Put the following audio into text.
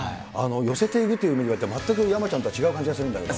寄せていくっていう意味では、全く山ちゃんとは違う感じがするんですが。